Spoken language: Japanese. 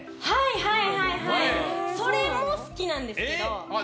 はい、はいそれも好きなんですけど。